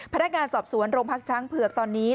พนักงานสอบสวนโรงพักช้างเผือกตอนนี้